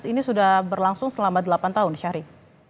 ini sudah berlangsung selama delapan tahun syahri